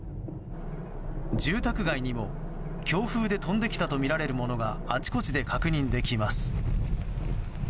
住宅街にも強風で飛んできたとみられるものがあちこちで確認できます。